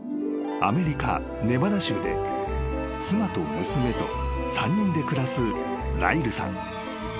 ［アメリカネバダ州で妻と娘と３人で暮らすライルさん］